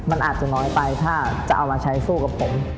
มันอาจจะน้อยไปถ้าจะเอามาใช้สู้กับผม